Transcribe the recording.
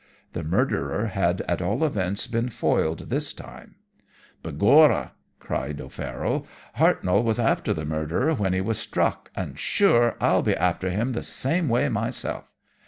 The murderer had at all events been foiled this time. "'Begorrah!' cried O'Farroll, 'Hartnoll was after the murderer when he was struck, and shure I'll be after him the same way myself.'